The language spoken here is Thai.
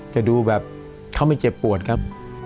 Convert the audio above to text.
จะดูแบบเขาไม่เจ็บปวดครับ